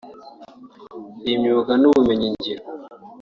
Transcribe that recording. ay’imyuga n’ubumenyingiro